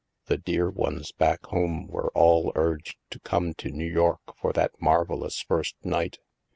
The dear ones back home were all urged to come to New York for that marvellous first night.